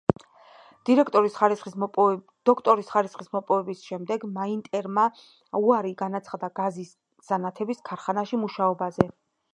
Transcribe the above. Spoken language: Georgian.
დოქტორის ხარისხის მოპოვების შემდეგ, მაიტნერმა უარი განაცხადა გაზის სანათების ქარხანაში მუშაობაზე.